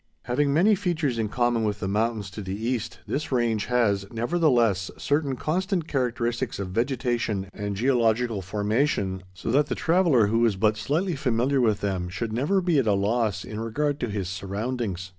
Having many features in common with the mountains to the east, this range has, nevertheless, certain constant characteristics of vegetation and geological formation, so that the traveller who is but slightly familiar with them should never be at a loss in regard to his surroundings.